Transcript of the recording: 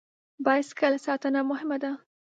بایسکل ساتنه مهمه ده.